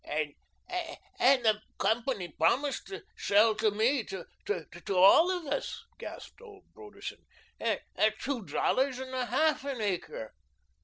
"And and the company promised to sell to me, to to all of us," gasped old Broderson, "at TWO DOLLARS AND A HALF an acre."